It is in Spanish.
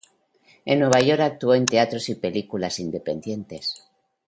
En Nueva York actuó en teatros y películas independientes.